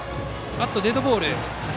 デッドボール。